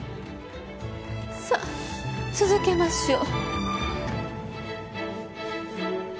さっ続けましょう。